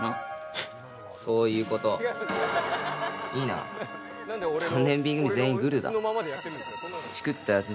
フッそういうこといいな３年Ｂ組全員グルだチクったヤツ